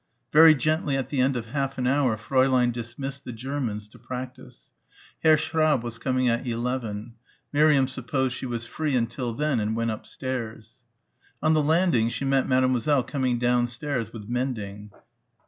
Very gently at the end of half an hour Fräulein dismissed the Germans to practise. Herr Schraub was coming at eleven. Miriam supposed she was free until then and went upstairs. On the landing she met Mademoiselle coming downstairs with mending.